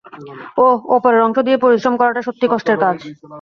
ওহ, ওপরের অংশ দিয়ে পরিশ্রম করাটা সত্যিই কষ্টের কাজ।